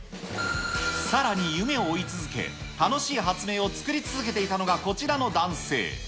さらに夢を追い続け、楽しい発明を作り続けていたのがこちらの男性。